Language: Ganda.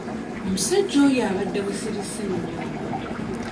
Omusajja ono abadde musirise nnyo.